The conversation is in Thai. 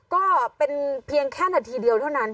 ก็เป็นเพียงแค่นาทีเดียวเท่านั้น